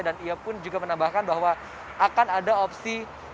dan ia pun juga menambahkan bahwa akan ada opsi